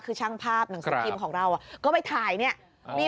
คือช่างภาพหนังสือพิมพ์ของเราก็ไปถ่ายเนี่ย